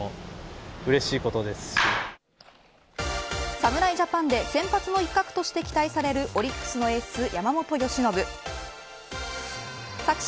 侍ジャパンで先発の一角として期待されるオリックスのエース、山本由伸。